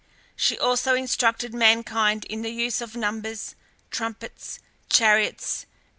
She also instructed mankind in the use of numbers, trumpets, chariots, &c.